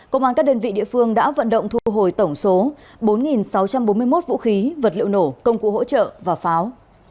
công an các đơn vị địa phương đã vận động thu hồi tổng số bốn sáu trăm bốn mươi một vũ khí vật liệu nổ công cụ hỗ trợ và pháo